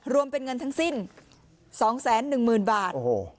รวมเป็นเงินทั้งสิ้นสองแสนหนึ่งหมื่นบาท